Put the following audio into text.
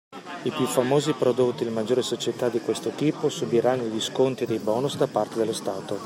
I più famosi prodotti delle maggiori società di questo tipo subiranno degli sconti e dei bonus da parte dello stato.